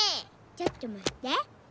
ちょっとまって。